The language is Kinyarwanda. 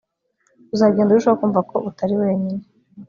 uzagenda urushaho kumva ko utari wenyine